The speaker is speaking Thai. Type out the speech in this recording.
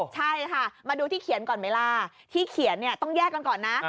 ใช่ค่ะมาดูที่เขียนก่อนไหมล่ะที่เขียนเนี่ยต้องแยกกันก่อนนะ